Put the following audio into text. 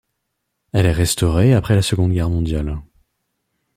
Elle est restaurée après la Seconde Guerre mondiale.